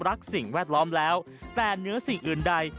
สิ่งแวดล้อมแล้วแต่เหนือสิ่งอื่นใด